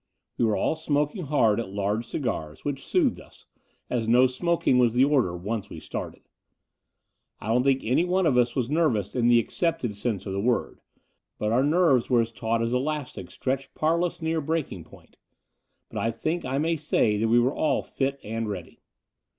We were all smoking hard at « large cigars, which soothed us, as no smoking was the order once we started. I don't think any one of us was nervous in the accepted sense of the word, but our nerves were as taut as elastic stretched parlous near breaking point: but I think I may say that we were all fit and ready.